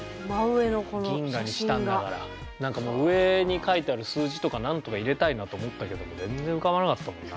何かもう上に書いてある数字とか何とか入れたいなと思ったけども全然浮かばなかったもんな。